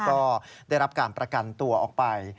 ก็ได้รับการประกันตัวออกไป